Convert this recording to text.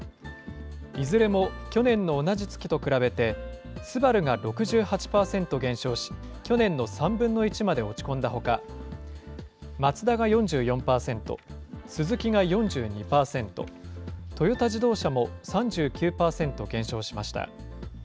いずれも去年の同じ月と比べて、ＳＵＢＡＲＵが６８％減少し、去年の３分の１まで落ち込んだほか、マツダが４４％、スズキが４２％、トヨタ自動車も３９％減少しました。